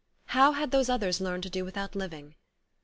How had those others learned to do without living?